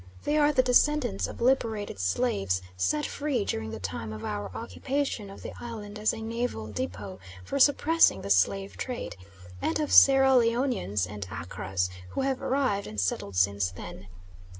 They are the descendants of liberated slaves set free during the time of our occupation of the island as a naval depot for suppressing the slave trade, and of Sierra Leonians and Accras who have arrived and settled since then.